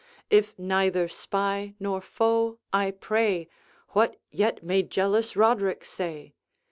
If neither spy nor foe, I pray What yet may jealous Roderick say?